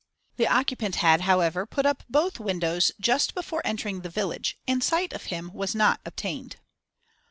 The occupant had, however, put up both windows just before entering the village, and sight of him was not obtained.